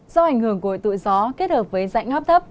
do ảnh hưởng của tụi gió kết hợp với dãy ngáp thấp